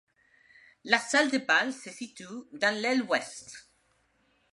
La salle de bal se situe dans l'aile ouest.